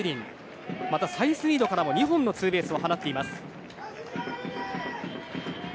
またサイスニードからも２本のツーベースを放っています。